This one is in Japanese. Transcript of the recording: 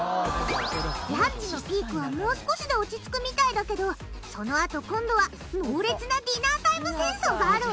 ランチのピークはもう少しで落ち着くみたいだけどそのあと今度は猛烈なディナータイム戦争があるわ。